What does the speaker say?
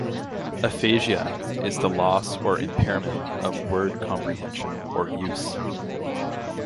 Aphasia is the loss or impairment of word comprehension or use.